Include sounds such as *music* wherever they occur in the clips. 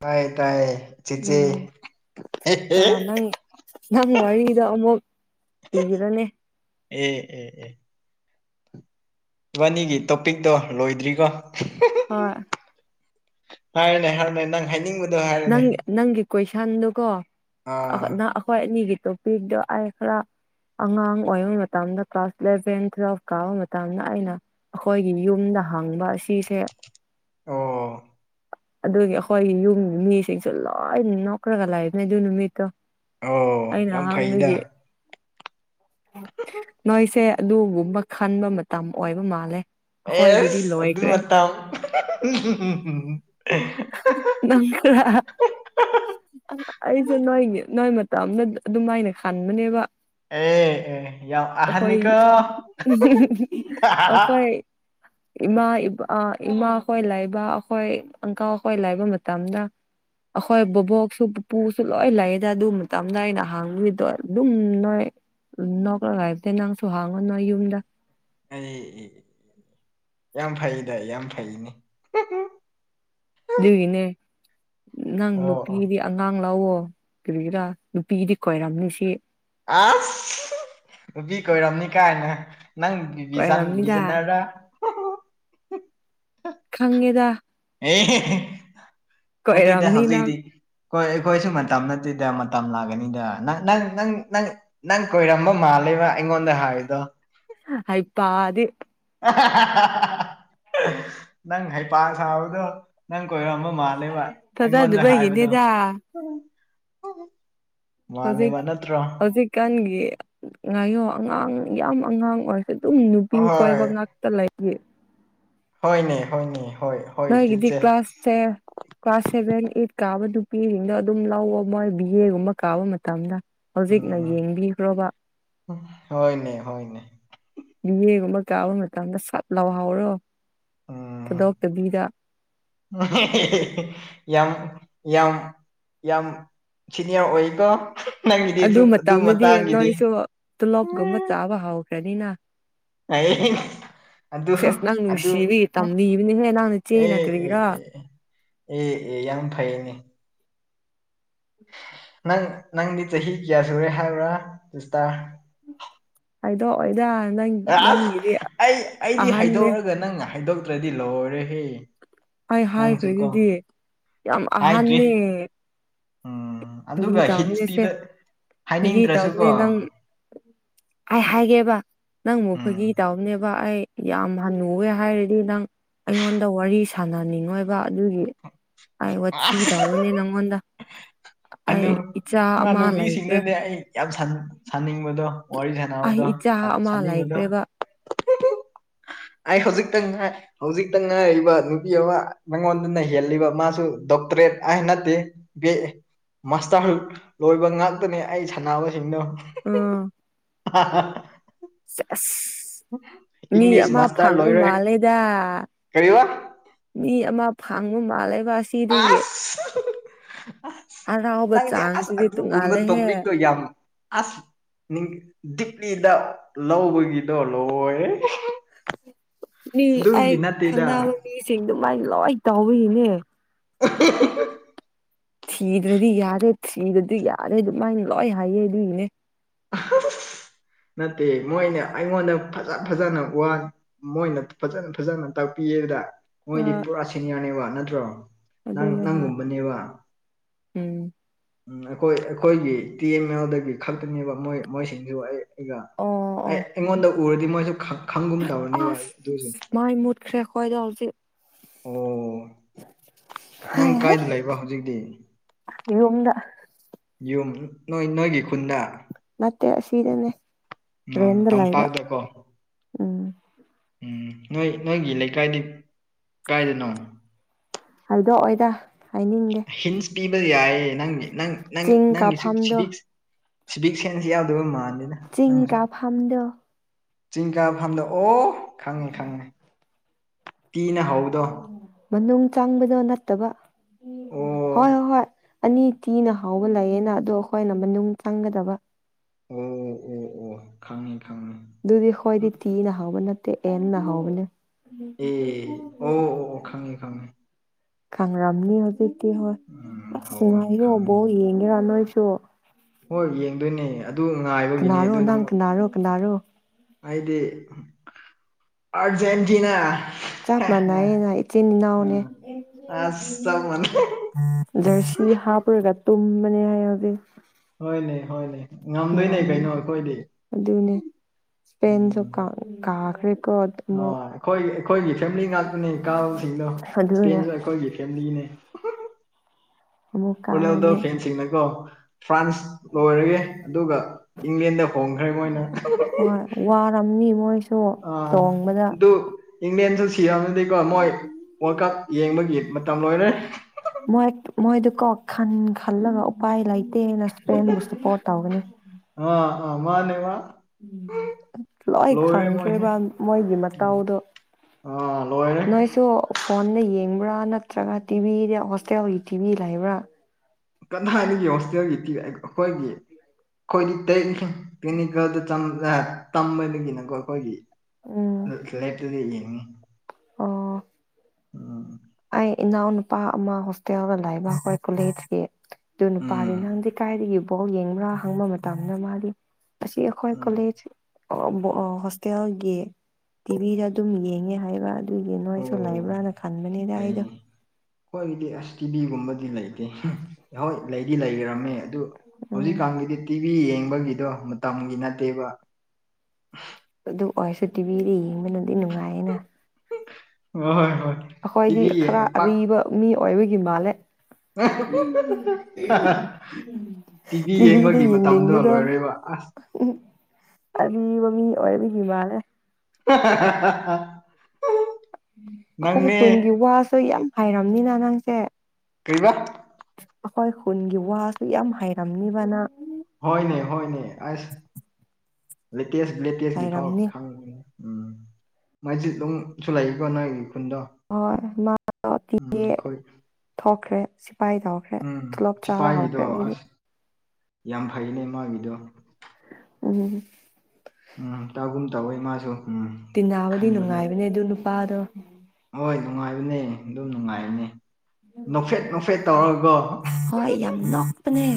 ꯇꯥꯏꯌꯦ ꯇꯥꯏꯌꯦ ꯆꯦꯆꯦ ꯎꯝ ꯍꯦ ꯍꯦ ꯑ ꯅꯪ ꯅꯪ ꯋꯥꯔꯤꯗꯨ ꯑꯃꯨꯛ ꯂꯤꯔꯅꯤ ꯑꯦ ꯑꯦ ꯑꯦ ꯏꯕꯥꯅꯤꯒꯤ ꯇꯣꯄꯤꯛꯇꯣ ꯂꯣꯏꯗ꯭ꯔꯤꯀꯣ ꯍꯣꯏ ꯍꯥꯏꯌꯨꯅꯦ ꯍꯥꯏꯌꯦꯅꯦ ꯅꯪ ꯍꯥꯏꯅꯤꯡꯕ ꯅꯪ ꯅꯪꯒꯤ ꯀꯣꯏꯁꯟꯗꯨꯀꯣ ꯑ ꯑꯥ ꯅ ꯑꯈꯣꯏ ꯑꯅꯤꯒꯤ ꯇꯣꯄꯤꯛ ꯇꯨ ꯑꯩ ꯈꯔ ꯑꯉꯥꯡ ꯑꯣꯏꯕ ꯃꯇꯝꯗ ꯀ꯭ꯂꯥꯁ ꯏꯂꯦꯚꯦꯟ ꯇꯨꯋꯦꯜꯚ ꯀꯥꯕ ꯃꯇꯝꯗ ꯑꯩꯅ ꯑꯈꯣꯏꯒꯤ ꯌꯨꯝꯗ ꯍꯪꯕ ꯁꯤꯁꯦ ꯑꯣ ꯑꯗꯨꯒꯤ ꯑꯩꯈꯣꯏꯒꯤ ꯌꯨꯝꯒꯤ ꯃꯤꯁꯤꯡꯁꯨ ꯂꯣꯏꯅ ꯅꯣꯛꯔꯒ ꯂꯩꯕꯅꯦ ꯑꯗꯨ ꯅꯨꯃꯤꯠꯇꯨ ꯑꯣ ꯌꯥꯝ ꯐꯩꯗ ꯅꯣꯏꯁꯦ ꯑꯗꯨꯒꯨꯝꯕ ꯈꯟꯕ ꯃꯇꯝ ꯑꯣꯏꯕ ꯃꯥꯜꯂꯦ ꯑꯩꯈꯣꯏꯒꯤꯗꯤ ꯑꯦꯁ ꯑꯗꯨ ꯂꯣꯏꯈ꯭ꯔꯦ ꯃꯇꯝ *unintelligible* ꯅꯪ ꯈꯔ ꯑꯩꯁꯨ ꯅꯣꯏꯒꯤ ꯅꯣꯏ ꯃꯇꯝꯗ ꯑꯗꯨꯃꯥꯏꯅ ꯈꯟꯕꯅꯦꯕ ꯑꯦ ꯑꯦ ꯌꯥꯝ ꯑꯩꯈꯣꯏ ꯑꯍꯟꯅꯤꯀꯣ *unintelligible* ꯑꯩꯈꯣꯏ ꯏꯃꯥ ꯏꯄꯥ ꯏꯃꯥ ꯈꯣꯏ ꯂꯩꯏꯕ ꯑꯈꯣꯏ ꯑꯪꯀꯜ ꯍꯣꯏ ꯂꯩꯕ ꯃꯇꯝꯗ ꯑꯩꯈꯣꯏ ꯕꯣꯕꯣꯛꯁꯨ ꯄꯨꯄꯨꯁꯨ ꯂꯣꯏ ꯂꯩꯌꯦꯗ ꯑꯗꯨ ꯃꯇꯝꯗ ꯑꯩꯅ ꯍꯥꯡꯋꯤꯗꯣ ꯑꯗꯨꯝ ꯅꯣꯏ ꯎꯝ ꯅꯣꯛ꯭ꯔꯒ ꯍꯥꯏꯕꯗꯤ ꯅꯪꯁꯨ ꯍꯡꯉꯨ ꯅꯣꯏ ꯌꯨꯝꯗ ꯑꯩ ꯌꯥꯝ ꯐꯩꯗ ꯌꯥꯝ ꯐꯩꯅꯦ *unintelligible* ꯑꯗꯨꯒꯤꯅꯦ ꯅꯪ ꯑꯣ ꯑꯣ ꯅꯨꯄꯤꯗꯤ ꯑꯉꯥꯡ ꯂꯧꯑꯣ ꯀꯔꯤꯒꯤꯔꯥ ꯅꯨꯄꯤꯒꯤꯗꯤ ꯀꯣꯏꯔꯝꯅꯤ ꯁꯤ ꯑꯁ ꯅꯨꯄꯤ ꯀꯣꯏꯔꯝꯅꯤ ꯀꯥꯏꯅ ꯅꯪꯒꯤ ꯕꯤꯖꯥꯠ ꯀꯣꯏꯔꯝꯅꯤꯗ ꯕꯤꯖꯟꯅꯔ ꯔ ꯈꯪꯉꯦꯗ ꯑꯦ ꯍꯦ ꯍꯦ ꯅꯠꯇꯦꯗ ꯀꯣꯏꯔꯝꯅꯤ ꯅꯪ ꯍꯧꯖꯤꯛꯗꯤ ꯍꯣꯏ ꯑꯩꯈꯣꯏꯁꯨ ꯃꯇꯝ ꯅꯠꯇꯦꯗ ꯃꯇꯝ ꯂꯥꯛꯀꯅꯤꯗ ꯅꯪ ꯅꯪ ꯅꯪ ꯅꯪ ꯀꯣꯏꯔꯝꯕ ꯃꯥꯜꯂꯦꯕ ꯑꯩꯉꯣꯟꯗ ꯍꯥꯏꯕꯗꯣ ꯍꯩꯄꯥꯗꯤ *unintelligible* ꯅꯪ ꯍꯩꯄꯥ ꯁꯥꯕꯗꯣ ꯅꯪ ꯀꯣꯏꯔꯝꯃꯣ ꯃꯥꯜꯂꯦ ꯃꯥ ꯑꯩꯉꯣꯟꯗ ꯍꯥꯏꯕꯗꯣ ꯐꯖꯗꯕꯒꯤꯅꯦꯗ ꯍꯧꯖꯤꯛ ꯃꯥꯜꯂꯦꯕ ꯅꯠꯇ꯭ꯔꯣ ꯍꯧꯖꯤꯛꯀꯥꯟꯒꯤ ꯉꯥꯏꯌꯣ ꯑꯉꯥꯡ ꯌꯥꯝ ꯑꯉꯥꯡ ꯑꯣꯏ ꯑꯗꯨꯝ ꯅꯨꯄꯤ ꯍꯣꯏ ꯀꯣꯏꯕ ꯉꯥꯛꯇ ꯂꯩ ꯍꯣꯏꯅꯦ ꯍꯣꯏꯅꯦ ꯍꯣꯏ ꯅꯒꯗꯗꯤ ꯆꯤꯆꯦ ꯀ꯭ꯂ꯭ꯂꯥꯁꯦ ꯀ꯭ꯂꯥꯁ ꯁꯦꯚꯦꯟ ꯑꯩꯠ ꯀꯥꯕ ꯅꯨꯄꯤꯁꯤꯡꯗꯣ ꯑꯗꯨꯝ ꯂꯧꯑꯣ ꯃꯣꯏ ꯕꯤ ꯑꯦꯒꯨꯝꯕ ꯀꯥꯕ ꯃꯇꯝꯗ ꯍꯧꯖꯤꯛꯅ ꯌꯦꯡꯕꯤꯈ꯭ꯔꯣꯕ ꯍꯅꯦ ꯍꯅꯦ ꯌꯦꯌꯦꯡꯒꯨꯝꯕ ꯀꯥꯕ ꯃꯇꯝꯗ ꯁꯞ ꯂꯥꯎꯍꯥꯎꯔꯣ ꯎꯝ ꯊꯥꯗꯣꯛꯇꯕꯤꯗ ꯌꯥꯝ ꯌꯥꯝ ꯌꯥꯝ ꯁꯤꯅꯤꯌꯔ ꯑꯣꯏꯀꯣ ꯑꯗꯨ ꯅꯪꯒꯤꯗꯤꯁꯨ ꯃꯇꯝꯗꯗꯤ ꯃꯇꯥꯡꯒꯤꯗꯤ ꯅꯣꯏꯁꯨ ꯇꯣꯂꯣꯞꯀꯨꯝꯕ ꯆꯥꯕ ꯍꯧꯈ꯭ꯔꯅꯤꯅ ꯑꯩ ꯑꯗꯨ ꯁꯦꯁ ꯅꯪ ꯑ ꯑꯦ ꯅꯨꯡꯁꯤꯕꯒꯤ ꯇꯝꯕꯤꯕꯅꯤꯍꯦ ꯅꯪ ꯑꯦ ꯅꯆꯦꯅ ꯀꯔꯤꯔꯥ ꯑꯦ ꯑꯦ ꯑꯦ ꯌꯥꯝ ꯐꯩꯅꯦ ꯅꯪ ꯅꯪꯗꯤ ꯆꯍꯤ ꯀꯌꯥ ꯁꯨꯔꯦ ꯍꯥꯏꯕ꯭ꯔꯥ ꯁꯇꯥꯔ ꯍꯥꯏꯗꯣ ꯏꯗ ꯅꯪ ꯅꯪꯒꯤꯗꯤ ꯑꯩ ꯑꯩꯗꯤ ꯑꯍꯟꯅꯦ ꯍꯥꯏꯗꯣꯛꯑꯒ ꯅꯪ ꯍꯥꯏꯗꯣꯛꯇ꯭ꯔꯗꯤ ꯂꯣꯏꯔꯦꯍꯦ ꯑꯩ ꯅꯪꯁꯨ ꯀꯣ ꯍꯥꯏꯈ꯭ꯔꯦꯗꯨꯗꯤ ꯌꯥꯝ ꯍꯥꯏꯗ꯭ꯔꯤ ꯑꯍꯟꯅꯤ ꯎꯝ ꯐꯣꯏꯒꯤ ꯑꯗꯨꯒ ꯍꯤꯟꯁ ꯇꯥꯝꯅꯦ ꯁꯦ ꯄꯤꯕ ꯐꯣꯏꯒꯤ ꯇꯥꯝꯅꯦ ꯍꯥꯏꯅꯤꯡꯗ꯭ꯔꯁꯨꯀꯣ ꯅꯪ ꯑꯩ ꯍꯥꯏꯒꯦꯕ ꯅꯪ ꯃꯨꯛ ꯎꯝ ꯐꯒꯤ ꯇꯎꯕꯅꯦꯕ ꯑꯩ ꯌꯥꯝ ꯍꯜꯟꯅꯨꯋꯦ ꯍꯥꯏꯔꯗꯤ ꯅꯪ ꯑꯩꯉꯣꯟꯗ ꯋꯥꯔꯤ ꯁꯥꯟꯅꯅꯤꯡꯉꯣꯏꯕ ꯑꯗꯨꯒꯤ ꯑꯩ ꯋꯥ ꯊꯤ ꯇꯧꯔꯅꯦ ꯅꯪꯉꯣꯟꯗ ꯑꯩ ꯑꯗꯨꯂꯨ ꯏꯆꯥ ꯑꯃ ꯂꯩꯈ꯭ꯔꯦ ꯉꯥꯂꯨꯕꯤꯁꯤꯡꯗꯗꯤ ꯑꯩ ꯌꯥꯝ ꯁꯥꯅꯤꯡꯕꯗꯣ ꯋꯥꯔꯤ ꯑꯩ ꯁꯥꯟꯅꯥꯅꯕꯗꯣ ꯏꯆꯥ ꯑꯃ ꯁꯥꯅꯤꯡꯉꯗꯣ ꯂꯩꯈ꯭ꯔꯦꯕ ꯑꯩ ꯍꯧꯖꯤꯛꯇꯪ ꯉꯥꯏ ꯍꯧꯖꯤꯛꯇ ꯉꯥꯏꯔꯤꯕ ꯅꯨꯄꯤ ꯑꯃ ꯅꯪꯉꯣꯟꯗ ꯅ ꯍꯜꯂꯤꯕ ꯃꯥꯁꯨ ꯗꯣꯛꯇꯔꯦꯠ ꯍꯥꯏ ꯅꯠꯇꯦ ꯃꯥꯁꯇꯔ ꯂꯣꯏꯕ ꯉꯥꯛꯇꯅꯦ ꯑꯩ ꯁꯥꯟꯅꯕꯁꯤꯡꯗꯣ ꯎꯝ ꯃꯤ ꯏꯪꯂꯤꯁ ꯑꯃ ꯃꯥꯁꯇꯔ ꯐꯪꯉꯨ ꯂꯣꯏꯔꯦ ꯃꯥꯜꯂꯦꯗ ꯀꯔꯤꯕ ꯃꯤ ꯑꯃ ꯐꯪꯕ ꯃꯥꯜꯂꯦꯕ ꯑꯁꯤ ꯑꯁ ꯍꯔꯥꯎꯕ ꯅꯪꯗꯤ ꯑꯁ ꯆꯥꯡꯁꯤꯗꯤ ꯑꯗꯨꯒꯨꯝꯕ ꯇꯣꯡꯉꯥꯜꯂꯦꯍꯦ ꯇꯣꯄꯤꯛꯇꯣ ꯌꯥꯝ ꯑꯁ ꯗꯤꯛꯂꯤꯗ ꯂꯧꯕꯒꯤꯗꯣ ꯂꯣꯏ ꯃꯤ ꯑꯩ ꯅꯠꯇꯦꯗ ꯈꯪꯅꯕ ꯃꯤꯁꯤꯡ ꯑꯗꯨꯃꯥꯏꯅ ꯂꯣꯏ ꯇꯥꯎꯋꯅꯦ *inaudible* ꯊꯤꯗ꯭ꯔꯗꯤ ꯌꯥꯔꯦ ꯊꯤꯗꯗꯤ ꯌꯥꯔꯦ ꯑꯗꯨꯃꯥꯏꯅ ꯂꯣꯏ ꯍꯥꯏꯌꯦ ꯑꯗꯨꯒꯤꯅꯦ ꯅꯠꯇꯦ ꯃꯣꯏꯅꯦ ꯑꯩꯉꯣꯟꯗ ꯐꯖ ꯐꯖꯅ ꯋꯥꯅꯤ ꯃꯣꯏꯅ ꯐꯖꯅ ꯐꯖꯅ ꯇꯥꯛꯄꯤꯑꯕꯗ ꯃꯣꯏꯗꯤ ꯍꯣꯏ ꯄꯨꯔꯥ ꯁꯤꯅꯤꯌꯥꯔꯅꯦꯕ ꯅꯠꯇ꯭ꯔꯣ ꯅꯪ ꯑꯗꯨꯅꯦ ꯍꯣꯏ ꯅꯪꯒꯨꯝꯕꯅꯦꯕ ꯎꯝ ꯎꯝ ꯑꯩꯈꯣꯏ ꯑꯩꯈꯣꯏꯒꯤ ꯇꯤ ꯑꯦꯝ ꯑꯦꯜꯗꯒꯤ ꯈꯛꯇꯅꯦꯕ ꯃꯣꯏ ꯃꯣꯏꯁꯤꯡꯁꯨ ꯑꯩ ꯑꯩ ꯑꯣ ꯑꯣ ꯑꯩꯉꯣꯟꯗ ꯎꯔꯗꯤ ꯃꯣꯏꯁꯨ ꯈꯪꯒꯨꯝ ꯇꯧꯔꯅꯤꯕ ꯑꯗꯨꯁꯨ ꯈꯔꯦ ꯈꯣꯏꯗꯣ ꯍꯧ ꯎꯆꯠ ꯑꯣ ꯅꯪ ꯀꯥꯏꯗ ꯂꯩꯕ ꯍꯧꯖꯤꯛꯇꯤ ꯏꯣꯝꯗ ꯌꯨꯝ ꯅꯣꯏ ꯅꯣꯏꯒꯤ ꯈꯨꯟꯗ ꯅꯠꯇꯦ ꯑꯁꯤꯗꯅꯦ ꯇ꯭ꯔꯦꯟꯗ ꯂꯩꯥꯛꯕ ꯇꯝꯄꯥꯛꯇꯀꯣ ꯎꯝ ꯎꯝ ꯅꯣꯏ ꯅꯣꯏꯒꯤ ꯂꯩꯀꯥꯏꯗꯤ ꯀꯥꯏꯗꯅꯣ ꯑꯗꯨꯗꯣ ꯑꯣꯏꯗ ꯍꯤꯟꯁ ꯄꯤꯕ ꯌꯥꯏꯌꯦ ꯅꯪꯒꯤ ꯅꯪ ꯅꯪ ꯆꯤꯡ ꯅꯪꯒꯤꯁꯨ ꯀꯥꯐꯝꯗꯣ ꯁꯤꯕꯤ ꯁꯤꯕꯤꯛ ꯁꯦꯟꯁ ꯌꯥꯎꯗꯕ ꯃꯥꯜꯜꯂꯤ ꯆꯤꯡꯒꯥꯥ ꯐꯝꯗꯣ ꯆꯤꯡ ꯀꯥ ꯐꯗ ꯑꯣ ꯈꯪꯉꯦ ꯈꯪꯉꯦ ꯇꯤꯅ ꯍꯧꯕꯗꯣ ꯃꯅꯨꯡ ꯆꯪꯕꯗꯣ ꯅꯠꯇꯕ ꯍꯣꯏ ꯍꯣꯏ ꯑꯣ ꯍꯣꯏ ꯑꯅꯤ ꯊꯤꯅ ꯍꯥꯎꯕ ꯂꯩꯌꯦꯅ ꯑꯗꯣ ꯑꯩꯈꯣꯏꯅ ꯃꯅꯨꯡ ꯆꯪꯒꯗꯕ ꯑꯣ ꯑꯣ ꯑꯣ ꯑꯣ ꯈꯪꯉꯤ ꯈꯪꯉꯤ ꯑꯗꯨꯗꯤ ꯈꯣꯏꯗꯤ ꯇꯤ ꯅꯍꯧꯕꯕ ꯅꯠꯇ ꯑꯦꯟ ꯅꯍꯕꯅꯦ ꯑꯦ ꯑꯣ ꯑꯣ ꯈꯪꯉꯦ ꯈꯪꯉꯦ ꯈꯪ꯭ꯔꯝꯅꯤ ꯍꯧꯖꯤꯛꯇꯤ ꯍꯣꯏ ꯎꯝ ꯑꯁ ꯍꯧꯋꯦ ꯈꯪꯉꯦ ꯉꯥꯏꯔꯣꯕꯧ ꯌꯦꯡꯒꯦꯔꯥ ꯅꯣꯏꯁꯨ ꯍꯣꯏ ꯌꯦꯡꯗꯣꯏꯅꯦ ꯑꯗꯨ ꯉꯥꯏꯕꯒꯤꯅꯦ ꯀꯅꯥꯔꯣ ꯑꯗꯨ ꯅꯪ ꯀꯅꯥꯔꯣ ꯀꯅꯥꯔꯣ ꯍꯥꯏꯗꯤ ꯑꯔ ꯌꯦꯟꯖꯤꯅ ꯆꯥꯄ ꯃꯥꯟ ꯅꯥꯏꯅ ꯆꯅꯤꯅꯍꯎꯅꯦ ꯑꯁ ꯆꯞ ꯃꯥꯟꯅꯩ ꯔꯁꯤ ꯍꯥꯄꯔꯦꯒ ꯇꯨꯝꯅꯦ ꯍꯥꯏ ꯍꯧꯦ ꯍꯣꯏꯅꯦ ꯍꯣꯏꯅꯦ ꯉꯝꯗꯣꯏꯅꯦ ꯀꯩꯅꯣ ꯑꯩꯈꯣꯏꯗꯤ ꯑꯗꯨꯅꯦ ꯏꯁꯄꯦꯟꯁꯨ ꯀꯥꯈ꯭ꯔꯦꯀꯣ ꯑꯣ ꯑꯃꯨꯛ ꯑꯩꯈꯣꯏꯒꯤ ꯑꯩꯈꯣꯏꯒꯤ ꯐꯦꯃꯤꯂꯤ ꯉꯥꯛꯇꯅꯦ ꯀꯥꯁꯤꯡꯗꯣ ꯑꯗꯨꯅꯦ ꯏꯁꯄꯦꯟꯁꯨ ꯑꯩꯈꯣꯏꯒꯤ ꯐꯦꯃꯤꯂꯤꯅꯦ ꯑꯃꯨꯛ ꯔꯣꯅꯦꯜꯗꯣ ꯀꯥꯔꯅꯤ ꯐꯦꯟꯁꯤꯡꯅꯀꯣ ꯐ꯭ꯔꯥꯟꯁ ꯂꯣꯏꯔꯒꯦ ꯑꯗꯨꯒ ꯏꯪꯂꯦꯟꯗ ꯍꯣꯡꯈ꯭ꯔꯦ ꯃꯣꯏꯅ ꯍꯣꯏ ꯋꯥꯔꯝꯅꯤ ꯃꯣꯏꯁꯨ ꯑꯥ ꯆꯣꯡꯕꯗ ꯑꯗꯨ ꯏꯪꯂꯦꯟꯁꯨ ꯁꯤꯔꯅꯗꯤꯀꯣ ꯃꯣꯏ ꯋꯥꯔꯜ ꯀꯞ ꯌꯦꯡꯕꯒꯤ ꯃꯇꯝ ꯂꯣꯏꯔꯦ ꯏꯣ ꯃꯣꯏꯗꯨꯀꯣ ꯈꯟ ꯈꯜꯂꯒ ꯎꯄꯥꯏ ꯂꯩꯇꯦꯅ ꯁꯄ꯭ꯔꯦꯟꯕꯨ ꯁꯄꯣꯔꯠ ꯇꯧꯒꯅꯤ ꯑꯥ ꯑꯥ ꯃꯥꯅꯦ ꯋꯥ ꯎꯝ ꯂꯣꯏ ꯃꯣꯏꯁꯦ ꯈꯪꯈ꯭ꯔꯦꯕ ꯃꯣꯏꯒꯤ ꯎꯝ ꯃꯇꯥꯎꯗꯣ ꯑꯥ ꯂꯣꯏꯔꯦ ꯅꯣꯏꯁꯨ ꯐꯣꯟꯗ ꯌꯦꯡꯕ꯭ꯔꯥ ꯅꯠꯇ꯭ꯔꯒ ꯇꯤꯚꯤꯗ ꯍꯣꯁꯇꯦꯜꯒꯤ ꯇꯤꯚꯤ ꯂꯩꯕ꯭ꯔꯥ ꯀꯟꯊꯥꯏꯅꯤꯒꯤ ꯍꯣꯁꯇꯦꯜꯒꯤ ꯄꯤ ꯑꯩꯈꯣꯏꯒꯤ ꯑꯩꯈꯣꯏꯗꯤ ꯇ ꯇꯦꯛꯅꯤꯀꯦꯜꯗ ꯇꯝꯕꯗꯒꯤꯅꯀꯣ ꯑꯩꯈꯣꯏꯒꯤ ꯎꯝ ꯂꯦꯇꯗ ꯌꯦꯡꯉꯤ ꯑꯣꯥ ꯎꯝ ꯑꯩ ꯏꯅꯥꯎ ꯅꯨꯄꯥ ꯑꯃ ꯍꯣꯁꯇꯦꯜꯗ ꯂꯥꯛꯕ ꯑꯩꯈꯣꯏ ꯀꯣꯂꯦꯖꯀꯤ ꯑꯗꯨ ꯅꯨꯄꯥꯗꯤ ꯎꯝ ꯅꯪꯗꯤ ꯀꯥꯏꯗꯒꯤꯕꯥꯎ ꯌꯦꯡꯕ꯭ꯔꯥ ꯍꯪꯕ ꯃꯇꯝꯗ ꯃꯥꯗꯤ ꯑꯁꯤ ꯑꯩꯈꯣꯏ ꯎꯝ ꯀꯣꯂꯦꯖ ꯍꯣꯁꯇꯦꯜꯒꯤ ꯇꯤꯚꯤꯗ ꯑꯗꯨꯝ ꯌꯦꯡꯉꯦ ꯍꯥꯏꯕ ꯑꯗꯨꯏꯒꯤ ꯅꯣꯏꯁꯨ ꯑꯣ ꯂꯩꯕ꯭ꯔꯥꯅ ꯈꯟꯕꯅꯤꯗ ꯑꯩꯗꯣ ꯑꯩꯈꯣꯏꯗꯤ ꯑꯁ ꯇꯤꯚꯤꯒꯨꯝꯕꯗꯤ ꯂꯩꯇꯦ *unintelligible* ꯂꯩꯗꯤ ꯂꯩꯔꯝꯃꯦ ꯑꯗꯨ ꯎꯝ ꯍꯧꯖꯤꯛꯀꯥꯟꯒꯤꯗꯤ ꯇꯤꯚꯤ ꯌꯦꯡꯕꯒꯤꯗꯣ ꯃꯇꯝꯒꯤ ꯅꯠꯇꯦꯕ ꯑꯗꯨ ꯑꯣꯏꯔꯁꯨ ꯇꯤꯚꯤꯗ ꯌꯦꯡꯕꯅꯗꯤ ꯅꯨꯡꯉꯥꯏꯌꯦꯅ ꯍꯣꯏ ꯍꯣꯏ ꯑꯩꯈꯣꯏꯗꯤ ꯇꯤꯚꯤ ꯈꯔ ꯌꯦꯡ ꯄꯥꯛ ꯑꯔꯤꯕ ꯃꯤ ꯑꯣꯏꯕꯒꯤ ꯃꯥꯜꯂꯦ ꯇꯤꯚꯤ ꯇꯤꯚꯤꯗ ꯌꯦꯡꯕꯒꯤ ꯃꯇꯝꯗꯣ ꯌꯦꯡꯅꯤꯡꯕꯗꯣ ꯂꯣꯏꯔꯦꯕ ꯑꯁ *unintelligible* ꯑꯔꯤꯕ ꯃꯤ ꯑꯣꯏꯕꯒꯤ ꯃꯥꯜꯂꯦ *unintelligible* ꯑꯩꯈꯣꯏ ꯅꯪꯅꯦ ꯈꯨꯟꯒꯤ ꯋꯥꯁꯨ ꯌꯥꯝ ꯍꯩꯔꯝꯅꯤꯅ ꯅꯪꯁꯦ ꯀꯩꯕꯥ ꯑꯩꯈꯣꯏ ꯈꯨꯟꯒꯤ ꯋꯥꯁꯨ ꯌꯥꯝ ꯍꯩꯔꯝꯅꯤꯕ ꯅꯪ ꯍꯣꯏꯅꯦ ꯍꯣꯏꯅꯦ ꯑꯁ ꯂꯦꯇꯦꯁ ꯂꯦꯇꯦꯁꯀꯤ ꯐꯥꯎ ꯍꯩꯔꯝꯅꯤ ꯈꯪꯕꯅꯦ ꯎꯝ ꯃꯥꯏꯖꯤꯠ ꯂꯣꯝ ꯁꯨ ꯂꯩꯀꯣ ꯅꯣꯏꯒꯤ ꯈꯨꯟꯗꯣ ꯍꯣꯏ ꯃꯥꯗꯣ ꯇꯤ ꯎꯝ ꯑꯩꯈꯣꯏ *unintelligible* ꯊꯣꯛꯈ꯭ꯔꯦ ꯁꯤꯐꯥꯏ ꯇꯧ ꯎꯝ ꯆꯤꯄꯥꯏꯒꯤꯗꯣ ꯑꯁ ꯌꯥꯝ ꯐꯩꯅꯦ ꯃꯥꯒꯤꯗꯣ ꯎꯝ ꯎꯝ ꯇꯥꯒꯨꯝ ꯇꯧꯋꯦ ꯃꯥꯁꯨ ꯎꯝ ꯇꯤꯟꯅꯕꯗꯤ ꯈꯟꯕꯗꯣ ꯅꯨꯡꯉꯥꯏꯕꯅꯦ ꯑꯗꯨ ꯅꯨꯄꯥꯗꯣ ꯍꯣꯏ ꯅꯨꯡꯉꯥꯏꯕꯅꯦ ꯑꯗꯨꯝ ꯅꯨꯡꯉꯥꯏꯅꯤ ꯅꯣꯛꯐꯦꯠ ꯅꯣꯛꯐꯦꯠ ꯇꯧꯔꯒꯀꯣ ꯍꯣꯏ ꯌꯥꯝ ꯅꯣꯛꯄꯅꯦ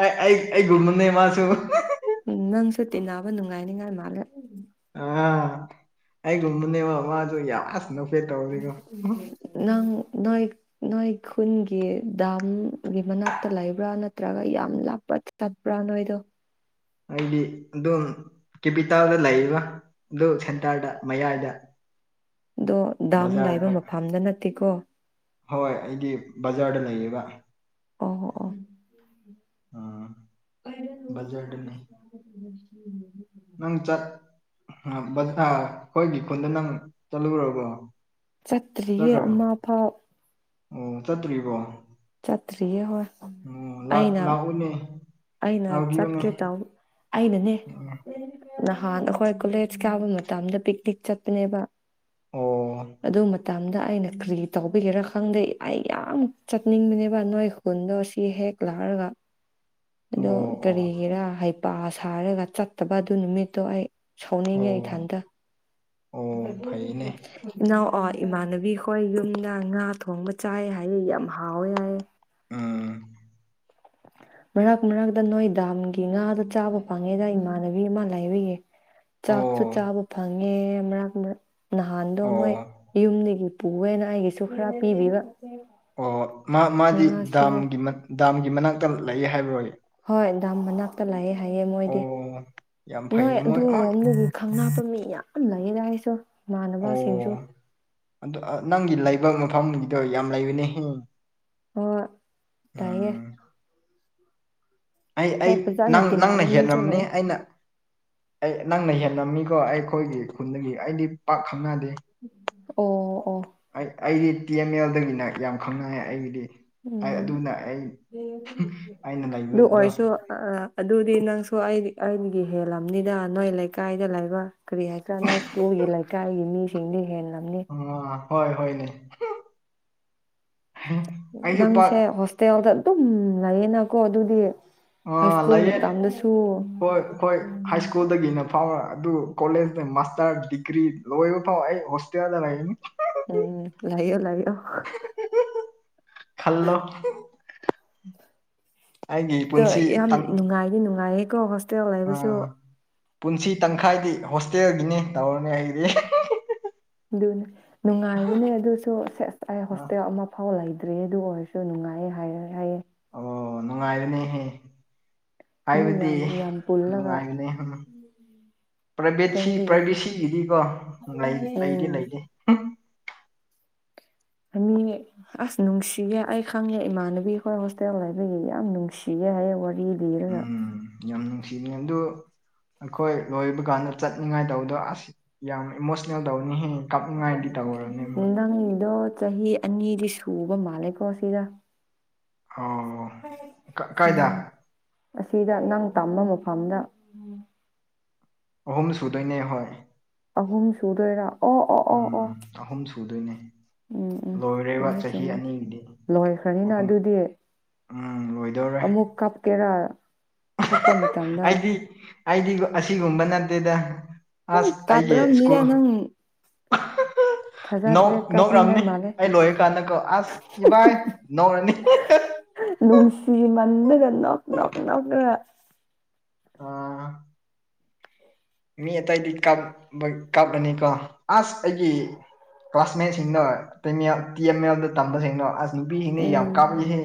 ꯑꯩ ꯑꯩ ꯑꯩꯒꯨꯝꯕꯅꯦ ꯃꯥꯁꯨ ꯎꯝ ꯅꯪꯁꯨ ꯇꯤꯟꯅꯕ ꯅꯨꯡꯉꯥꯏꯅꯤꯉꯥꯏ ꯃꯥꯜꯂꯦ ꯑ ꯑꯩꯒꯨꯝꯕꯅꯦꯕ ꯃꯥꯖꯨ ꯌꯥꯝ ꯑꯁ ꯅꯣꯛ ꯅꯪ ꯅꯣꯏ ꯅꯣꯏ ꯈꯨꯟꯒꯤ ꯗꯥꯝꯒꯤ ꯃꯅꯥꯛꯇ ꯂꯩꯕ꯭ꯔꯥ ꯅꯠꯇ꯭ꯔꯒ ꯌꯥꯝ ꯂꯥꯞꯄ ꯆꯠꯄ꯭ꯔꯥ ꯅꯣꯏꯗꯨ ꯑꯩꯗꯤ ꯑꯗꯨꯝ ꯀꯦꯄꯤꯇꯥꯜꯗ ꯂꯩꯗ ꯑꯗꯨ ꯁꯦꯟꯇꯔꯗ ꯃꯌꯥꯏꯗ ꯑꯗꯣ ꯗꯥꯝ ꯂꯩꯕ ꯕꯖꯥꯔꯗ ꯃꯐꯝꯗ ꯅꯠꯇꯦꯀꯣ ꯍꯣꯏ ꯑꯩꯗꯤ ꯕꯖꯥꯔꯗ ꯂꯩꯌꯦꯕ ꯑꯣ ꯑꯣ ꯑꯣ ꯎꯝ ꯕꯖꯥꯔꯗꯅꯦ *inaudible* ꯅꯪ ꯆꯠ ꯑ ꯕ ꯑꯥ ꯑꯩꯈꯣꯏꯒꯤ ꯈꯨꯟꯗ ꯅꯪ ꯆꯠꯂꯨꯔꯕꯣ ꯆꯠꯇ꯭ꯔꯤꯌꯦ ꯆꯠꯈ꯭ꯔꯕꯣ ꯑꯃꯐꯥꯎ ꯑꯣ ꯆꯠꯇ꯭ꯔꯤꯕꯣ ꯆꯠꯇ꯭ꯔꯤꯌꯦ ꯍꯣꯏ ꯑꯩꯅ ꯄꯨꯅꯦ ꯅ ꯆꯠꯀꯦ ꯇꯧ ꯑꯩꯅꯅꯦ ꯅꯍꯥꯟ ꯑꯩꯈꯣꯏ ꯀꯣꯂꯦꯖ ꯀꯥꯕ ꯃꯇꯝꯗ ꯄꯤꯛꯅꯤꯛ ꯆꯠꯄꯅꯦꯕ ꯑꯣ ꯑꯗꯨ ꯃꯇꯝꯗ ꯑꯩꯅ ꯀ꯭ꯔꯤ ꯇꯧꯕꯒꯤꯔ ꯈꯪꯗꯦ ꯑꯩ ꯌꯥꯝ ꯆꯠꯅꯤꯡꯕꯅꯦꯕ ꯅꯣꯏ ꯈꯨꯟꯗꯣ ꯁꯤ ꯍꯦꯛ ꯂꯥꯛꯔꯒ ꯑꯗꯣ ꯑꯣ ꯑꯣ ꯀꯔꯤꯒꯤꯔꯥ ꯍꯩꯄꯥ ꯁꯥꯔꯒ ꯆꯠꯇꯕ ꯑꯗꯨ ꯅꯨꯃꯤꯠꯇꯣ ꯑꯩ ꯁꯥꯎꯅꯤꯡꯉꯦ ꯑꯣ ꯏꯊꯟꯇ ꯑꯣ ꯐꯩꯅꯦ ꯏꯅꯥꯎ ꯑꯣ ꯏꯃꯥꯟꯅꯕꯤꯈꯣꯏ ꯌꯨꯝꯗ ꯉꯥ ꯊꯣꯡꯕ ꯆꯥꯏ ꯍꯥꯏꯌꯦ ꯌꯥꯝ ꯍꯥꯎꯋꯦ ꯍꯥꯏꯌꯦ ꯎꯝ ꯃꯔꯛ ꯃꯔꯛꯇ ꯅꯣꯏ ꯗꯥꯝꯒꯤ ꯉꯥꯗꯣ ꯆꯥꯕ ꯐꯪꯉꯦꯗ ꯏꯃꯥꯟꯅꯕꯤ ꯑꯃ ꯂꯩꯕꯒꯤ ꯆꯥꯛꯁꯨ ꯑꯣ ꯆꯥꯕ ꯐꯪꯉꯦ ꯃꯔꯛ ꯃꯔꯛ ꯅꯍꯥꯟꯗꯣ ꯑꯣ ꯃꯣꯏ ꯌꯨꯝꯗꯒꯤ ꯄꯨꯑꯦꯅ ꯑꯩꯒꯤꯁꯨ ꯈꯔ ꯄꯤꯔꯤꯕ ꯑꯣ ꯃꯥ ꯃꯥꯗꯤ ꯗꯥꯝꯒꯤ ꯗꯥꯝꯒꯤ ꯃꯅꯥꯛꯇ ꯂꯩꯌꯦ ꯍꯥꯏꯕꯔꯣ ꯍꯣꯏ ꯗꯥꯝ ꯃꯅꯥꯛꯇ ꯂꯩꯌꯦ ꯍꯥꯏꯌꯦ ꯃꯣꯏꯗꯤ ꯑꯣ ꯌꯥꯝ ꯅꯣꯏ ꯐꯩꯅꯦ ꯃꯣꯏ ꯍꯣꯏ ꯑꯗꯨꯔꯣꯝꯗꯨꯗꯤ ꯈꯪꯅꯥꯄ ꯃꯤ ꯌꯥꯝ ꯂꯩꯌꯦꯗ ꯑꯩꯁꯨ ꯏꯃꯥꯟꯅꯕꯁꯤꯡꯁꯨ ꯑꯗꯣ ꯅꯪꯒꯤ ꯂꯩꯕ ꯃꯐꯝꯒꯤꯗꯣ ꯌꯥꯝ ꯂꯩꯕꯅꯦꯍꯦ ꯑꯣ ꯇꯥꯏꯌꯦ ꯑꯩ ꯑꯩ ꯍꯣꯏ ꯐꯖꯅ ꯅꯪ ꯅꯪꯅ ꯇꯤꯟꯅꯕ ꯃꯤꯁꯨ ꯍꯦꯟꯔꯝꯅꯤ ꯂꯩ ꯑꯩꯅ ꯑꯩ ꯅꯪꯅ ꯍꯦꯟꯅꯝꯃꯤꯀꯣ ꯑꯩꯈꯣꯏꯒꯤ ꯈꯨꯟꯗꯒꯤ ꯑꯩꯗꯤ ꯄꯥꯛ ꯈꯪꯅꯗꯦ ꯑꯣ ꯑꯣ ꯑꯩ ꯑꯩꯗꯤ ꯇꯤ ꯑꯦꯝ ꯑꯦꯜꯗꯒꯤꯅ ꯌꯥꯝ ꯈꯪꯅꯌꯦ ꯑꯩꯒꯤꯗꯤ ꯍꯥꯏ ꯎꯝ ꯑꯗꯨꯅ ꯑꯩ ꯑꯩꯅ ꯂꯩꯕꯗꯣ ꯑ ꯑꯥ ꯑꯗꯨꯗꯤ ꯅꯪꯁꯨ ꯑꯩ ꯑꯩꯒꯤ ꯍꯦꯜꯂꯝꯅꯤꯗ ꯅꯣꯏ ꯂꯩꯀꯥꯏꯗ ꯂꯩꯕ ꯀꯔꯤ ꯍꯥꯏꯇꯔ ꯅꯣꯏ ꯁ꯭ꯀꯨꯜꯒꯤ ꯂꯩꯀꯥꯏꯒꯤ ꯃꯤꯁꯤꯡꯗꯤ ꯍꯦꯜꯂꯝꯅꯤ ꯑ ꯍꯣꯏ ꯍꯣꯏꯅꯦ *unintelligible* ꯄꯥꯛ ꯅꯪꯁꯦ ꯍꯣꯁꯇꯦꯜꯗ ꯑꯗꯨꯝ ꯂꯩꯌꯦꯅꯀꯣ ꯑꯗꯨꯗꯤ ꯍꯥꯏ ꯑꯥ ꯁ꯭ꯀꯨꯜ ꯂꯩꯌꯦ ꯃꯇꯝꯗꯁꯨ ꯍꯣꯏ ꯍꯣꯏ ꯍꯥꯏ ꯁ꯭ꯀꯨꯜꯗꯒꯤꯅ ꯐꯥꯎꯔ ꯑꯗꯨ ꯀꯣꯂꯦꯖꯇ ꯃꯥꯁꯇꯔ ꯗꯤꯒ꯭ꯔꯤ ꯂꯣꯏꯕ ꯐꯥꯎ ꯑꯩ ꯍꯣꯁꯇꯦꯜꯗ ꯂꯩꯅꯤ ꯎꯝ ꯂꯩꯌꯣ ꯂꯩꯌꯪ ꯈꯜꯂꯣ *unintelligible* ꯑꯩꯒꯤ ꯄꯨꯟꯁꯤꯥꯡ ꯇꯥꯡ꯫ ꯃꯤ ꯅꯨꯡꯉꯥꯏꯌꯦꯀꯣ ꯍꯣꯁꯇꯦꯜ ꯂꯩꯥꯏꯕꯁꯨ ꯄꯨꯟꯁꯤ ꯇꯪꯈꯥꯏꯗꯤ ꯍꯣꯁꯇꯦꯜꯒꯤꯅꯤ ꯇꯧꯔꯅꯤ ꯑꯩꯗꯤ ꯑꯗꯨꯅꯦ ꯅꯨꯡꯉꯥꯏꯕꯅꯦ ꯑꯗꯨꯁꯨ ꯁꯦꯁ ꯑꯩ ꯍꯣꯁꯇꯦꯜ ꯑꯃ ꯑꯐꯥꯎ ꯂꯩꯇ꯭ꯔꯦ ꯑꯗꯨ ꯑꯣꯏꯔꯁꯨ ꯅꯨꯡꯉꯥꯏꯌꯦ ꯍꯥꯏꯔ ꯍꯥꯏꯌꯦ ꯑꯣ ꯅꯨꯡꯉꯥꯏꯕꯅꯦꯍꯦ ꯃꯤ ꯍꯥꯏꯕꯗꯤ ꯌꯥꯝ ꯌꯥꯝ ꯄꯨꯜꯂꯒ ꯅꯨꯡꯉꯥꯏꯕꯅꯤ ꯄ꯭ꯔꯥꯏꯚꯦꯠꯁꯤ ꯑꯁꯦꯡꯕꯒꯤ ꯄ꯭ꯔꯥꯏꯚꯦꯠꯁꯤꯒꯤꯗꯤꯀꯣ ꯂꯩ ꯂꯩꯗꯤ ꯎꯝ ꯂꯩꯇꯦ ꯅꯤ *unintelligible* ꯑꯁ ꯅꯨꯡꯁꯤꯌꯦ ꯑꯩ ꯈꯪꯉꯦ ꯏꯃꯥꯟꯅꯕꯤ ꯈꯣꯏ ꯍꯣꯁꯇꯦꯜ ꯂꯩꯕꯒꯤ ꯌꯥꯝ ꯅꯨꯡꯁꯤꯌꯦ ꯍꯥꯏꯌꯦ ꯋꯥꯔꯤ ꯂꯤꯔꯒ ꯎꯝ ꯌꯥꯝ ꯅꯨꯡꯁꯤ ꯑꯗꯨ ꯑꯩꯈꯣꯏ ꯂꯣꯏꯕ ꯀꯥꯟꯗ ꯆꯠꯅꯤꯡꯉꯥꯏ ꯇꯧꯕꯗꯣ ꯑꯁ ꯌꯥꯝ ꯏꯃꯣꯁꯅꯦꯜ ꯇꯧꯅꯤꯍꯦ ꯀꯥꯞꯅꯤꯡꯉꯥꯏꯗꯤ ꯇꯧꯔꯅꯤ ꯃꯣꯏ ꯅꯪꯗꯣ ꯆꯍꯤ ꯑꯅꯤꯗꯤ ꯁꯨꯕ ꯃꯥꯜꯂꯦꯀꯣ ꯁꯤꯗ ꯑꯣ ꯀꯥꯏꯗ ꯎꯝ ꯑꯁꯤꯗ ꯅꯪ ꯇꯝꯕ ꯃꯐꯝꯗ ꯑꯍꯨꯝ ꯁꯨꯗꯣꯏꯅꯦ ꯍꯣꯏ ꯑꯍꯨꯝ ꯁꯨꯗꯣꯏꯔꯥ ꯑꯣ ꯑꯣ ꯑꯣ ꯑꯣ ꯎꯝ ꯑꯍꯨꯝ ꯁꯨꯗꯣꯏꯅꯦ ꯎꯝ ꯎꯝ ꯂꯣꯏꯔꯦꯕ ꯆꯨꯝꯃꯦ ꯆꯍꯤ ꯆꯨꯝꯃꯦ ꯑꯅꯤꯒꯤꯗꯤ ꯂꯣꯏꯈ꯭ꯔꯅꯤꯅ ꯑꯍꯨꯝ ꯑꯗꯨꯗꯤ ꯎꯝ ꯂꯣꯏꯗꯣꯔꯦ ꯀꯦꯔ *unintelligible* ꯑꯩꯗꯤ ꯑꯩꯗꯤ ꯑꯁꯤꯒꯨꯝꯕ ꯅꯠꯇꯦꯗ ꯎꯝ ꯑꯁ ꯑꯩꯒꯤ ꯢꯁꯀꯨꯜ ꯀꯥꯞꯔꯝꯅꯤꯗ ꯅꯪ ꯅꯣꯛ ꯊꯥꯖꯗ꯭ꯔꯦ ꯅꯣꯛꯔꯝꯅꯤ ꯀꯥꯞꯅꯤꯡꯉꯥꯏ ꯃꯥꯜꯂꯦ ꯑꯩ ꯂꯣꯏꯔ ꯀꯥꯟꯗꯀꯣ ꯑꯁ ꯏꯕꯥꯏ ꯅꯣꯛꯔꯅꯤ ꯅꯨꯡꯁꯤꯃꯟꯗꯅ ꯅꯣꯛ ꯅꯣꯛ ꯅꯣꯛꯂꯒ ꯑꯥ ꯃꯤ ꯑꯇꯩꯗꯤ ꯀꯥꯞ ꯀꯥꯞꯂꯅꯤꯀꯣ ꯑꯁ ꯑꯩꯒꯤ ꯀ꯭ꯂꯥꯁꯃꯦꯠꯁꯤꯡꯗꯣ ꯇꯦ ꯃꯦꯜ ꯇꯤ ꯑꯦꯝ ꯑꯦꯜꯗ ꯇꯝꯕꯁꯤꯡꯅꯣ ꯅꯨꯕꯤꯅꯦ ꯌꯥꯝ ꯎꯝ ꯀꯥꯞꯏꯍꯦ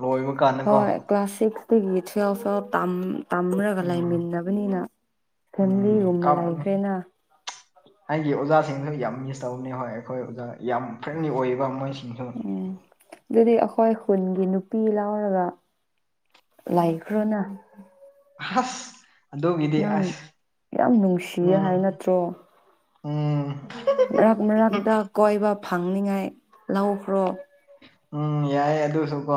ꯂꯣꯏꯕ ꯀꯥꯟꯗꯀꯣ ꯍꯣꯏ ꯀ꯭ꯂꯥꯁ ꯁꯤꯛꯁ ꯗꯒꯤ ꯇꯨꯋꯦꯜꯞ ꯐꯥꯎ ꯇꯝ ꯇꯝꯔꯒ ꯎꯝ ꯂꯩꯃꯤꯟꯅꯕꯅꯤꯅ ꯎꯝ ꯐꯦꯃꯤꯂꯤꯒꯨꯝꯕ ꯀꯥꯞꯄꯅꯤ ꯂꯩꯥꯈ꯭ꯔꯦꯅ ꯑꯩꯒꯤ ꯑꯣꯖꯥꯁꯤꯡꯁꯨ ꯌꯥꯝ ꯃꯤꯁ ꯇꯧꯕꯅꯦ ꯍꯣꯏ ꯑꯩꯈꯣꯏ ꯑꯣꯖꯥ ꯌꯥꯝ ꯐ꯭ꯔꯦꯟꯂꯤ ꯑꯣꯏꯕ ꯃꯣꯏꯁꯤꯡꯁꯨ ꯎꯝ ꯑꯗꯨꯗꯤ ꯑꯩꯈꯣꯏ ꯈꯨꯟꯒꯤ ꯅꯨꯄꯤ ꯂꯧꯔꯒ ꯂꯥꯏꯈ꯭ꯔꯣꯅ ꯍꯥ ꯅꯪ ꯌꯥꯝ ꯅꯨꯡꯁꯤꯌꯦ ꯍꯥꯏ ꯎꯝ ꯅꯠꯇ꯭ꯔꯣ ꯎꯝ ꯃꯔꯛ ꯃꯔꯛꯇ ꯀꯣꯏꯕ ꯐꯪꯅꯤꯉꯥꯏ ꯂꯧꯈ꯭ꯔꯣ ꯎꯝ ꯌꯥꯏꯌꯦ ꯑꯗꯨꯁꯨ ꯀꯣ